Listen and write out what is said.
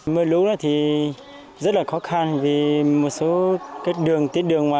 mưa lũ thì rất là khó khăn vì một số đường tiết đường ngoài